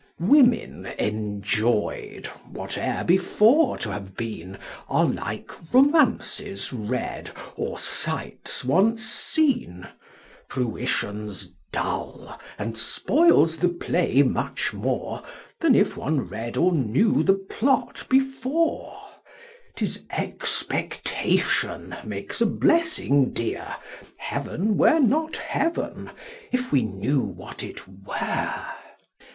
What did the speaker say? Women enjoy'd (whate'er before t' have been) Are like Romances read, or Sights once seen ; Fruition's dull, and spoils the Play much more, Than if one read or knew the Plot before ; Tis Expectation makes a Blessing dear, Heaven were not Heaven if we knew what it were.